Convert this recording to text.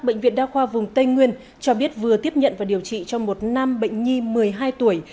bệnh viện đa khoa vùng tây nguyên cho biết vừa tiếp nhận và điều trị cho một nam bệnh nhi một mươi hai tuổi